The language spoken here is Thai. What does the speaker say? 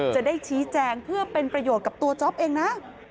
จะได้ชี้แจงเพื่อเป็นประโยชน์กับตัวจ๊อปเองนะ